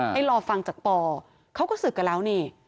ให้รอฟังจากปอเขาก็ศึกกันแล้วนี่